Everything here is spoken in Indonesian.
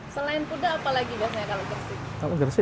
selain puda apa lagi biasanya kalau gersik